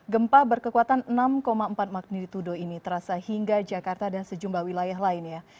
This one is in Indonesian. gempa berkekuatan enam empat magnitudo ini terasa hingga jakarta dan sejumlah wilayah lainnya